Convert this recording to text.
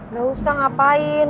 gak usah ngapain